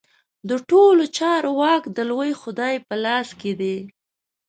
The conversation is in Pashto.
د ټولو چارو واک د لوی خدای په لاس کې دی.